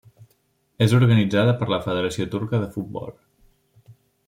És organitzada per la Federació Turca de Futbol.